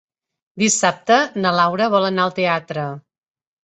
Dissabte na Laura vol anar al teatre.